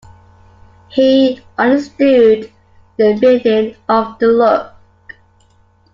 He understood the meaning of the look.